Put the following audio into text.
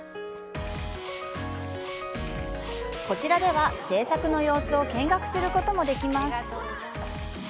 こちらでは、製作の様子を見学することもできます。